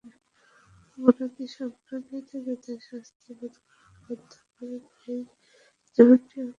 অপরাধী সম্প্রদায় থেকে তার শাস্তি রোধ করার সাধ্য কারো নেই যেমনটি আপতিত হয়েছিল।